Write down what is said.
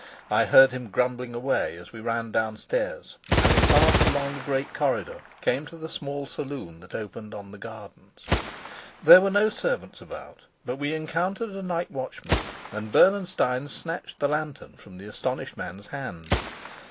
I heard him grumbling away as we ran downstairs, and, having passed along the great corridor, came to the small saloon that opened on the gardens. There were no servants about, but we encountered a night watchman, and Bernenstein snatched the lantern from the astonished man's hand.